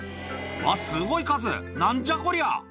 あっ、すごい数、なんじゃこりゃ。